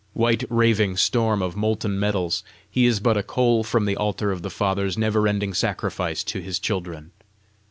White raving storm of molten metals, he is but a coal from the altar of the Father's never ending sacrifice to his children.